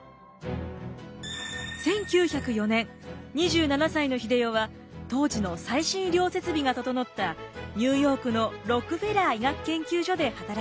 １９０４年２７歳の英世は当時の最新医療設備が整ったニューヨークのロックフェラー医学研究所で働き始めます。